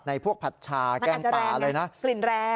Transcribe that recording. ในผัดชาแกล้งปลา